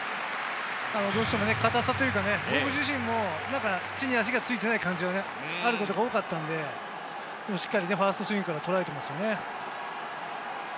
どうしても硬さというか、地に足がついてない感じが僕自身もあることが多かったので、ファーストスイングからしっかりとらえていますね。